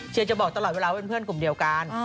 จะบอกตลอดเวลาว่าเป็นเพื่อนกลุ่มเดียวกัน